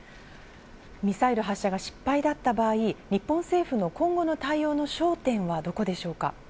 ミサイル発射が失敗だった場合、日本政府の今後の対応の焦点はどこでしょうか？